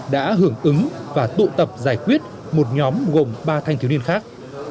đã hưởng ứng và tụ tập giải quyết một nhóm gồm ba thanh thiếu niên khác